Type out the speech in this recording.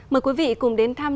mời quý vị cùng đến thăm